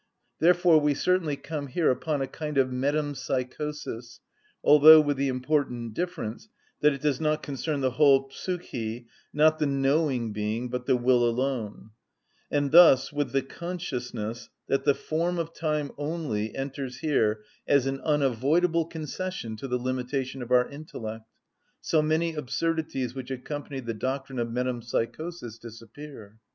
Therefore we certainly come here upon a kind of metempsychosis, although with the important difference that it does not concern the whole ψυχη, not the knowing being, but the will alone; and thus, with the consciousness that the form of time only enters here as an unavoidable concession to the limitation of our intellect, so many absurdities which accompany the doctrine of metempsychosis disappear.